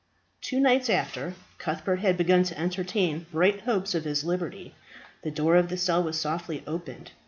Two nights after Cuthbert had begun to entertain bright hopes of his liberty, the door of the cell was softly opened.